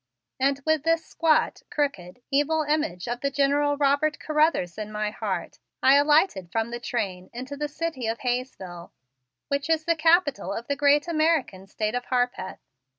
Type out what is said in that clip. And with this squat, crooked, evil image of the General Robert Carruthers in my heart I alighted from the train into the City of Hayesville, which is the capital of the great American State of Harpeth.